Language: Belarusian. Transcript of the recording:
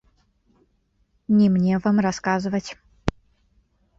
Не мне вам расказваць!